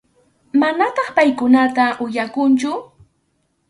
Manataq paykunata uyakunchu.